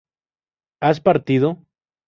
¿has partido?